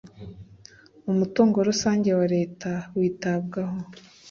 Umutungo rusange wa Leta witabwaho.